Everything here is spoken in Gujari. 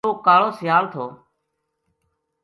یوہ کالو سیال تھو